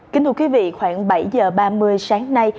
kính thưa quý vị khoảng bảy h ba mươi sáng nay